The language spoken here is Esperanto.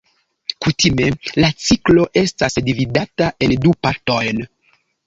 Kutime la ciklo estas dividata en du partojn.